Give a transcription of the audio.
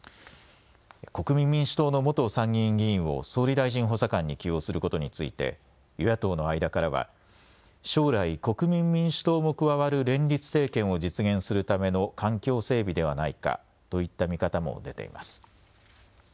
国民民主党の元参議院議員を総理大臣補佐官に起用することについて与野党の間からは将来、国民民主党も加わる連立政権を実現するための環境整備ではないかといった見方も出ています。